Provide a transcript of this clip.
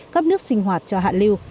cấp nước sinh hoạt cho hạ lưu